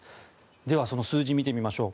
では、その数字見てみましょう。